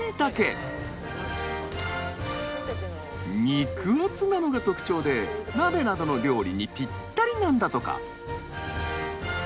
肉厚なのが特徴で鍋などの料理にぴったりなんだとか。